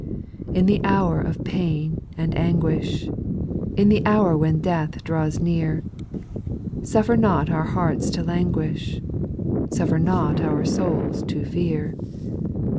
In the hour of pain and anguish. In the hour when death draws near, Suflfer not our hearts to languish, Suflfer not our souls to fear.